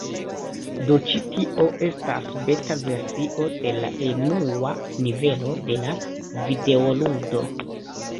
Do ĉi tio estas beta versio de la enua nivelo de la videoludo.